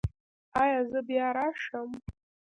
ایا زه بیا راشم؟